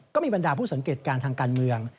ก็มีบันดาวผู้สังเกตการร์ทางการเมือง